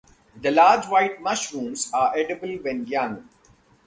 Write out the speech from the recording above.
The large white mushrooms are edible when young.